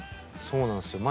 そうなんですよ。